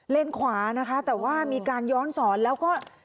ขวานะคะแต่ว่ามีการย้อนสอนแล้วก็